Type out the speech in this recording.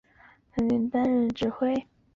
他曾在巴勒斯坦种族屠杀行动中担任副指挥。